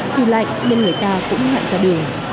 từ lạnh nên người ta cũng hạn ra đường